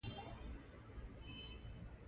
زما ورور روزګان ته تللى دئ.